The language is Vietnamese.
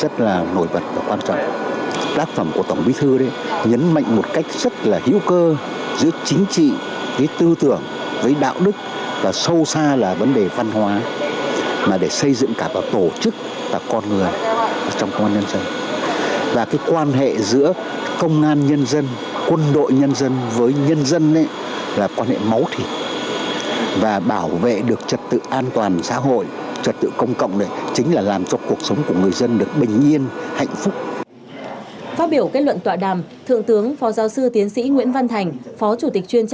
tác phẩm của tổng bí thư vũ trọng đề cập đến toàn diện rất nhiều vấn đề lý luận và thực tiễn